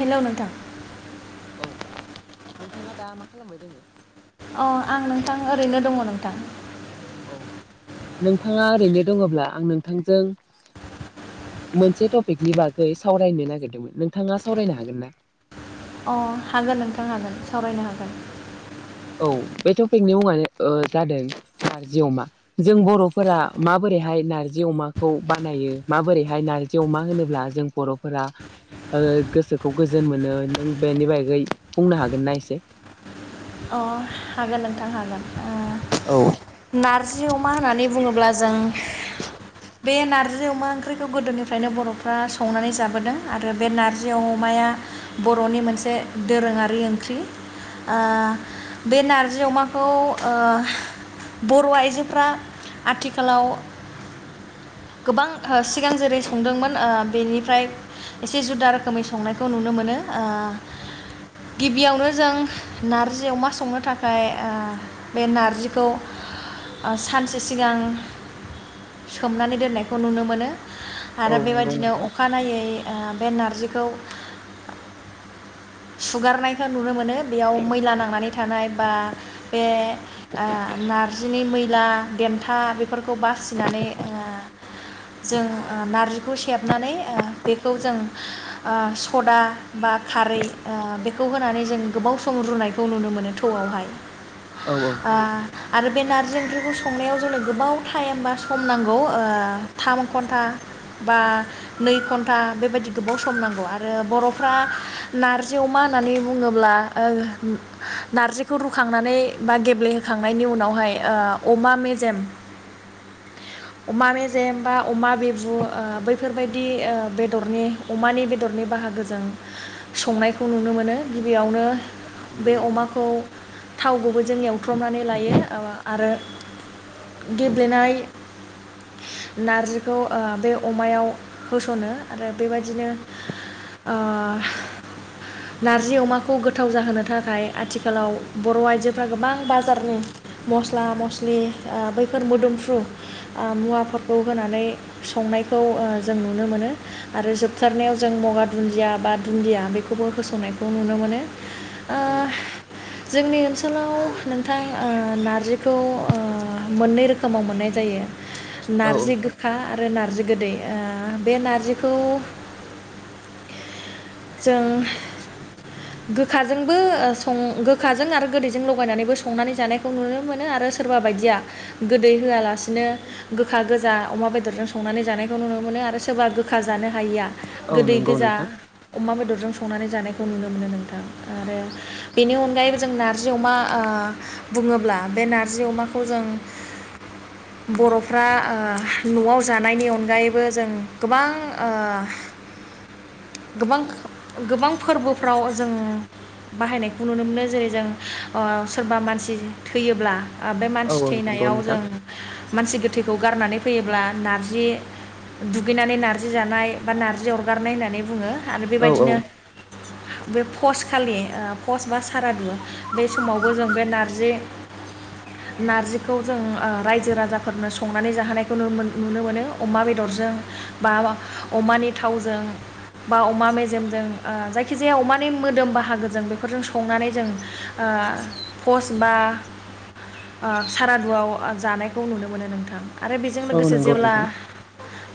हेल' नों थां औ नोंथाङा नोंथाङा दा मा खालामबाय दोङो? अ आं नोंथां ओरैनो दङ नोंथां। औ नोंथाङा ओरैनो दङब्ला आं नोंथांजों मोनसे टपिकनि बागै सावरायनो नागिरदोंमोन नोंथाङा सावरायनो हागोन ना? अ हागोन नोंथां हागोन सावरायनो हागोन। औ बे टपिकनि मुङानो ओ जादों नारजि अमा जों बर'फोरा माबोरैहाय नार्जि अमाखौ बानायो माबोरैहाय नारजि अमा होनोब्ला जों बर'फोरा ओ गोसोखौ गोजोन मोनो नों बेनि बागै बुंनो हागोनना एसे? अ हागोन नोंथां हागोन। औ ओ नारजि अमा होननानै बुङोब्ला जों बे नारजि अमा ओंख्रिखौ गोदोनिफ्रायनो बर'फ्रा संनानै जाबोदों आरो बे नारजि अमाया बर'नि मोनसे दोरोङारि ओंख्रि ओ बे नारजि अमाखौ ओ बर' आइजोफ्रा आथिखालाव गोबां हो सिगां जेरै संदोंमोन ओ बेनिफ्राय एसे जुदा रोखोमै संनायखौ नुनो मोनो ओ गिबियावनो जों नारज जि अमा संनो थाखाय ओ बे नारजिखौ ओ सानसे सिगां सोमनानै दोननायखौ नुनो मोनो। औ आरो नंगौ बेबायदिनो नोंथां अखानायै ओ बे नारजिखौ सुगारनायखौ नुनो मोनो बेयाव मैला नांनाय नानै थानाय बा बे ओ नारजिनि मैला देमथा बेफोरखौ बासिनानै ओ जों ओ नार्जिखौ सेबनानै ओ बेखौ जों ओ सदा बा खारै ओ बेखौ होनानै जों गोबाव सम रुनाय खौ नुनो मोनो थौआवहाय। औ औ आ आरो बे नार्जि ओंख्रिखौ संनायाव जोंनो गोबाव टाइम बा सम नांगौ ओ थाम घन्टा बा नै घन्टा बेबायदि गोबाव सम नांगौ आरो बर'फ्रा नारजि अमा होननानै बुङोब्ला ओ नारजिखौ रुखांनानै बा गेब्लेहोखांनायनि उनावहाय ओ अमा मेजेम अमा मेजेम बा अमा बिबु ओ बैफोरबायदि ओ बेदरनि अमानि बेदरनि बाहागोजों संनायखौ नुनो मोनो गिबियावनो नंगौ बे नोंथां अमाखौ थाव गुबैजों एवथ्रमनानै लायो ओ आरो गेब्लेनाय नारजिखौ ओ बे अमायाव होस'नो आरो बेबायदिनो ओ नारजि अमाखौ गोथाव जाहोनो थाख खाय आथिखालाव बर' आइजोफ्रारा गोबां बाजारनि मस्ला मस्लि ओ बैफोर मोदोमफ्रु ओ मुवाफोरखौ होनानै संनायखौ ओ जों नुनो मोनो आरो जोबथारनायाव जों मगा दुन्दिया बा दुन्दिया बेखौबो होसन्नायखौ नुनो मोनो। ओ औ औ जोंनि ओन सोलाव नोंथां ओ नारजिखौ ओ मोननै रोखोमाव मोननाय जायो। औ नारजि गोखा आ आरो नार्जि गोदै ओ बे नारजिखौ जों गोखाजोंबो ओ सं गोखाजों आरो गोदैजों लगायनानैबो संनानै जानायखौ नुनो मोनो आरो सोरबा बायदिया गोदै होआलासिनो गोखा गोजा अमा बेदरजों संनानै जानायखौ नुनो मोनो आरो सोरबा गोखा जानो हायिया औ गोदै नंगौ गोजा नोंथां। अमा बेदरजों संनानै जानायखौ नुनो मोनो नोंथां आरो बेनि अनगायैबो जों नार्जि अमा ओ बुङोब्ला बे नारजि अमाखौ जों बर'फ्रा ओ न'आव जानायनि अनगायैबो जों गोबां ओ गोबां गोबां फोरबोफ्राव जों बाहायनायखौ नुनो मोनो जेरै जों ओ सोरबा मानसि थैयोब्ला ओ बे औ मानसि औ नंगौ थैनायाव नोंथां जों मानसि गोथैखौ गारनानै फैयोब्ला नार्जि दुगैनानै नार्जि जानाय बा नार्जि अरगारनाय होननानै बुङो। आरो औ औ बेबायदिनो बे फस खालि ओ फस बा सारादु बे समावबो जों बे नारजि नारजिखौ जों ओ रायजो राजाफोरनो संनानै जाहानायखौ नुनो मोन नुनो मोनो अमा बेदरजों बा बा अमानि थावजों। बा अमा मेजेमजों ओ जायखिजाया अमानि मोदोम बाहागोजों बेफोरजों संनानै जों ओ फस बा ओ सारादुआव जानायखौ नुनो मोनो नोंथां। आरो बेजों औ लोगोसे नंगौ जेब्ला नोंथां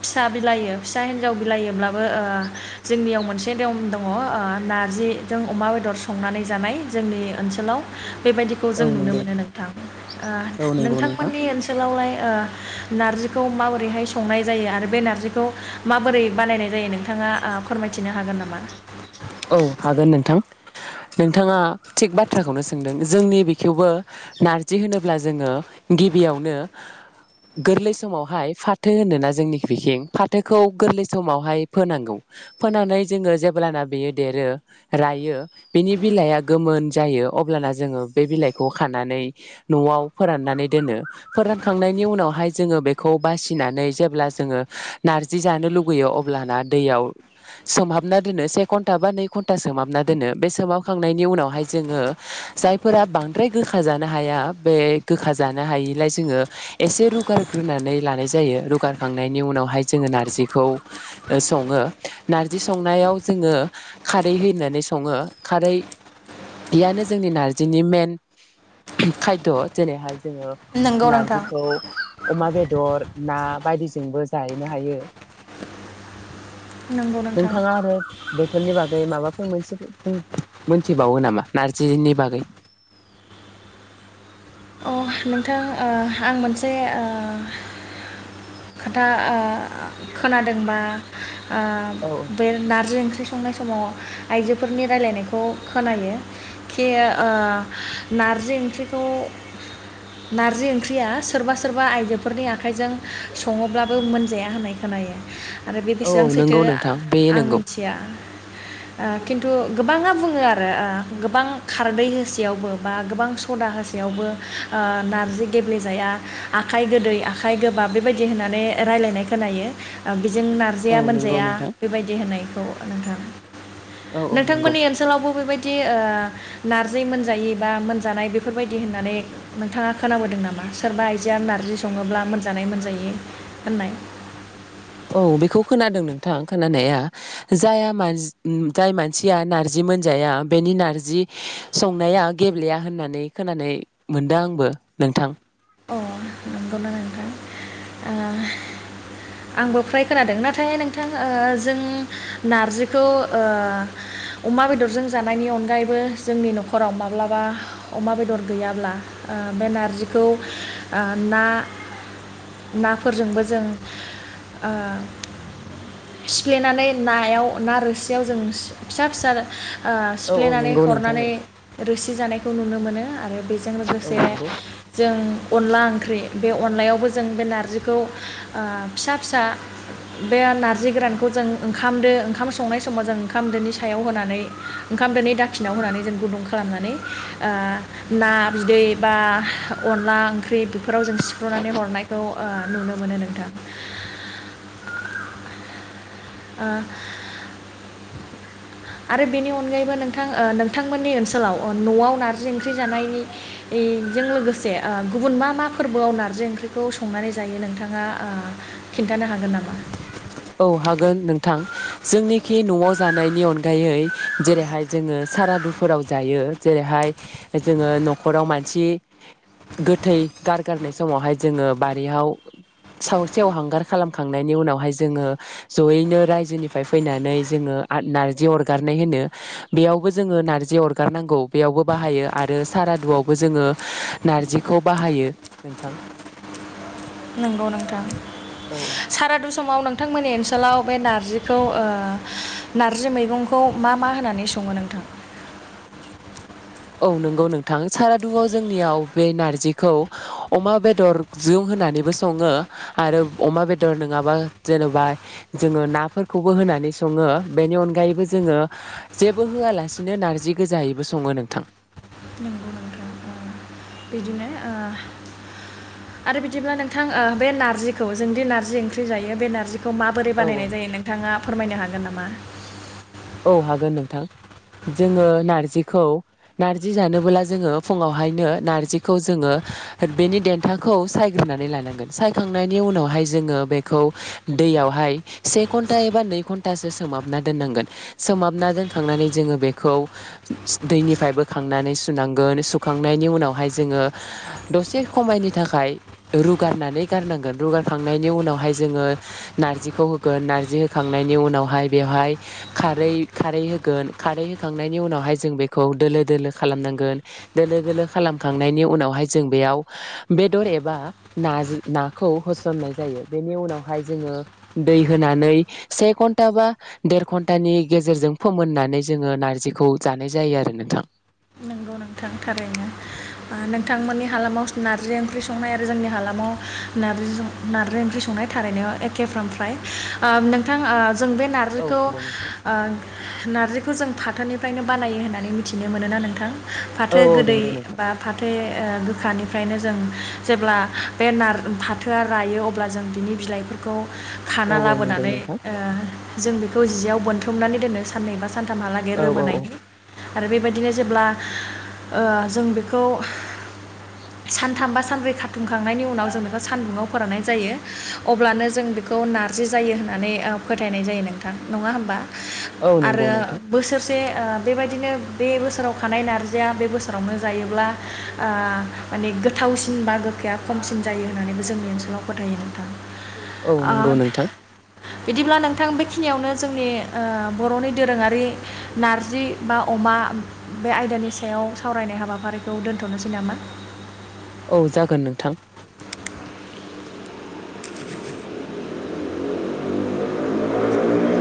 फिसा बिलाइयो फिसा हिन्जाव बिलाइयोब्लाबो ओ जोंनियाव मोनसे दम दङ ओ नारजिजों अमा बेदर संनानै जानाय जोंनि ओनसोलाव। बेबायदिखौ औ जों नुनो नंगौ मोनो नोंथां औ ओ नंगौ नोंथां। नोंथांमोननि ओनसोलावलाय ओ नारजिखौ माबोरैहाय संनाय जायो आरो बे नार्जिखौ माबोरै बानायनाय जायो नोंथाङा आ फोरमायथिनो हागोन नामा? औ हागोन नोंथां नोंथाङा थिग बाथ्राखौनो सोंदों जोंनि बेखौवबो नारजि होनोब्ला जोङो गिबियावनो गोरलै समावहाय फाथो होनोना जोंनि बिखिं फाथोखौ गोरलै समावहाय फोनांगौ फोनानै जोङो जेब्लाना बेयो देरो रायो बिनि बिलाइआ गोमोन जायो अब्लाना जोङो बे बिलाइखौ खानानै न'आव फोराननानै दोनो फोरानखांनायनि उनावहाय जोङो बेखौ बासिनानै जेब्ला जोङो नारजि जानो लुुबैयो अब्लाना दैयाव सोमहाबना दोनो से घन न्टा बा नै घन्टा सोमहाबना दोनो बे सोमाबखांनायनि उनावहाय जोङो जायफोरा बांद्राय गोखा जानो हाया बे गोखा जानो हायिलाय जोङो एसे रुगारग्रोनानै लानाय जायो रुगारखांनायनि उनावहाय जोङो नार्जिखौ ओ सङो नार्जि संनायाव जोङो खारै होननानै सङो खारै बेयानो जोंनि नारजिनि मेन खायद' जेरैहाय जोङो नंगौ नोंथां नारजिखौ अमा बे दर ना बायदिजोंबो जानो हायो। नंगौ नोंथां नोंथाङा आरो बे माबाफोर मोनसे मोनथिबावो नामा नारजिनि बागै? अ नोंथां ओ आं मोनसे ओ खोथा ओ खोनादोंबा ओ औ बे नारजि ओंख्रि ओंख्रि संनाय समाव आइजोफोरनि रायलायनायखौ खोनायो खि ओ नारजि ओंख्रिखौ नारजि ओंख्रिया सोरबा सोरबा आइजोफोरनि आखाइजों सङोब्लाबो मोनजाया होननाय खोनायो। आरो बे औ औ बेसेबां सैथो नंगौ नोंथां बे आं नंगौ मिथिया ओ खिन्थु गोबाङा बुङो आरो ओ गोबां खारदै होसेयावबो बा गोबां सदा होसेयावबो ओ नारजि गेब्लेेजाया आखाइ गोदै आखाइ गोबाब बे बेबायदि होननानै रायलानाय खोनायो ओ जों औ नारजिया नंगौ मोनजाया नोंथां बेबायदि होननाय। औ नोंथां औ औ नंगौ नोंथांमोननि ओनसोलावबो बेबायदि बिदि ओ नार्जि मोनजायि बा मोनजानाय बेफोरबायदि होननानै नोंथाङा खोनाबोदों नामा सोरबा आइजोआ नार्जि सङोब्ला मोनजानाय मोनजायि होननाय औ बेखौ खोनादों नोंथां खोनानाया जाया मान-जाय मानसिया नार्जि मोनजाया बेनि नारजि संनाया गेब्लेया होननानै खोनानाय मोनदों आंबो नोंथां। औ नंगौना नोंथां ओ आंबो फ्राय खोनादों नाथाय नोंथां ओ जों नारजिखौ ओ अमा बेदरजों जानायनि अनगायैबो जोंनि न'खराव माब्लाबा अमा बेदर गैयाब्ला ओ बे नारजिखौ ओ ना नाफोरजोंबो जों ओ सिफ्लेनानै नायाव ना रोसियाव जों फिसा फिसा ओ औ औ सिफ्लेनानै नंगौ नोंथां औ हरनानै रोसि जानायखौ नुनो मोनो आरो बेजों औ लोगोसे नंगौ ओ अनला ओंख्रि बे अनलायावबो जों बे नारजिखौ ओ फिसा फिसा बे नार्जि गोरानखौ जों ओंखामदो ओंखाम संनाय समाव जों ओंखामदोनि सायाव होनानै ओंखामदोनि दाखिनायाव होनानै जों गुदुं खालामनानै ओ ना बिदै बा अनला ओंख्रि बेफोराव जों सिफ्रुनानै हरनायखौ ओ नुनो मोनो नोंथां ओ आरो बेनि अनगायैबो नोंथां ओ नोंथांमोननि ओनसोलाव ओ न'आव नार्जि ओंख्रि जानायनिजों लोगोसे गुबुन मा मा फोरबोआव नार्जि ओंख्रिखौ संनानै जायो नोंथाङा खिन्थानो हागोन नामा? औ हागोन नोंथां जोंनिखि न'आव जानायनि अनगायै जेरैहाय जोङो सारादुफोराव जायो जेरैहाय जोङो न'खराव मानसि गोथै गारगारनाय समावहाय जोङो बारिहाव सायाव सेवहांगार खालामखांनायनि उनावहाय जोङो जयैनो रायजोनिफ्राय फैनानै जोङो नारजि अरगारनाय होनो बेयावबो जोङो नार्जि अरगारनांगौ बेयावबो बाहायो आरो सारादुआवबो जोङो नारजिखौ बाहायो नोंथां। नंगौ नोंथां औ सारादु समाव नोंथांमोननि ओनसोलाव बे नारजिखौ ओ नारजि मैगंखौ मा मा होनानै सङो नोंथां? औ नंगौ नोंथां सारादुआव जोंनियाव बे नारजिखौ अमा बेदर जों होनानैबो सङो आरो अमा बेदर नङाबा जेन'बा जोङो नाफोरखौबो होनानै सङो बेनि अनगायैबो जोङो जेबो होआलासिनो नार्जि गोजायैबो सङो नोंथां। ओ आरो बिदिब्ला नोंथां ओ बे नार्जिखौ जोंदि नार्जि ओंख्रि जायो बे नार्जि खौ माबोरै औ औ बानायनाय जायो नोंथाङा फोरमायनो हागोन नामा? औ हागोन नोंथां जोङो नार्जिखौ नार्जि जानोबोला जोङो फुङावहायनो नार्जिखौ जोङो बेनि देन्थाखौ सायग्रोनानै लानांगोन सायखांनायनि उनावहाय जोङो बेखौ दैयावहाय से घन्टा एबा नै घन्टासो सोमहाबना दोननांगोन। सोमहाबना दोनखांनानै जोङो बेखौ दैनिफ्राय बोखांनानै सुनांगोन सुखांनायनि उनावहाय जोङो दसे खमायनि थाखाय रुगारनानै गारनांगोन रुगारखांनायनि उनावहाय जोङो नार्जिखौ होगोन नार्जि होखांनायनि उनावहाय बेवहाय खारै खारै होगोन खारै होखांनायनि उनावहाय जों बेखौ दोलो-दोलो खालामनांगोन दोलो-दोलो खालामखांनायनि उनावहाय जों बेयाव बेदर एबा ना नाखौ होसननाय जायो बेनि उनावहाय जोङो दै होनानै से घन्टा बा देर घन टानि गेजेरजों फोमोननानै जोङो नारजिखौ जानाय जायो आरो नोंथां। नंगौ नोंथां थारैनो नोंथांमोननि हालामाव नारजि ओंख्रि संनाय आरो जोंनि हालामाव नारजि नारजि ओंख्रि संनाय थारैनो एखेफ्राम फ्राय ओ नोंथां ओ जों बे औ नारजिखौ नंगौ नोंथां ओ नारजिखौ जों फाथोनि फ्रायनो बानायो होननानै मिथिनो मोनोना नोंथां। औ फाथो औ गोदै नंगौ नोंथां बा फाथो ओ गोखानिफ्रायनो जों जेब्ला बे नार फाथोआ रायो अब्ला जों बिनि बिलाइफोरखौ औ खाना औ नंगौ लाबोनानै नोंथां। ओ जों बेखौ जियाव बोनथुमनानै दोनो साननै बा सानथामहालागै औ औ रोमोनायनि आरो बेबायदिनो जेब्ला ओ जों बेखौ सानथाम बा सानब्रै खाथुमखांनायनि उनाव जों बेखौ सानदुङाव फोराननाय जायो अब्लानो जों बेखौ नारजि जायो होननानै फोथायनाय जायो नोंथां नङा होमबा। औ आरो नंगौ नोंथां बोसोर से ओ बायदिनो बे बोसोराव खानाय नार जि जाया बे बोसोरावनो जायोब्ला ओ माने गोथावसिन बा गोखाया खमसिन जायो होननानैबो जोंनि ओनसोलाव फोथायो नोंथां। औ नोंगौ ओ नोंथां। बिदिब्ला नोंथां बेखिनियावनो जोंनि ओ बर'नि दोरोङारि नारजि बा अमा बे आयदानि सायाव सावरायनाय हाबाफारिखौ दोन्थ'नोसै नामा। औ जागोन नोंथां। आइयै।